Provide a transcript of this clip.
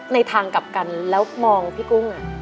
ในทางกลับกันแล้วมองพี่กุ้ง